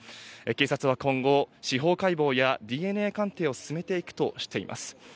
警察は今後、司法解剖やＤＮＡ鑑定を進めていくとしています。